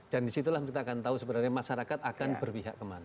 dan disitulah kita akan tahu sebenarnya masyarakat akan berpihak kemana